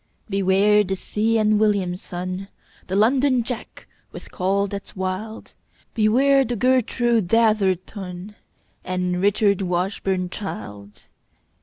Beware the see enn william, son, The londonjack with call that's wild. Beware the gertroo datherton And richardwashburnchild.